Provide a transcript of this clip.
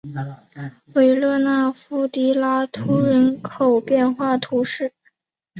维勒纳夫迪拉图人口变化图示